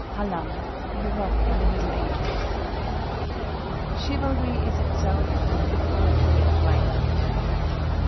—HALLAM, Europe in the Middle Ages. "Chivalry is itself the poetry of life."